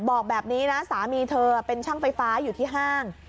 บอกแบบนี้นะสามีเธอเป็นช่างไฟฟ้าอยู่ที่ห้าง